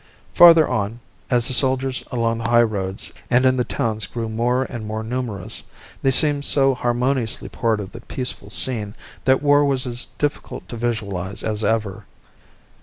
Farther on, as the soldiers along the highroads and in the towns grew more and more numerous, they seemed so harmoniously part of the peaceful scene that war was as difficult to visualize as ever.